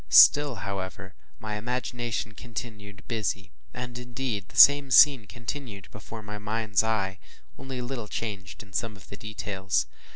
Still, however, my imagination continued busy, and indeed the same scene continued before my mind’s eye, only a little changed in some of the details.